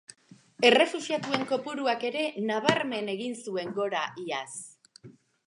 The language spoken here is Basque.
Errefuxiatuen kopuruak ere nabarmen egin zuen gora iaz.